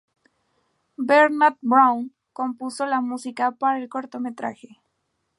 Bernard Brown compuso la música para el cortometraje.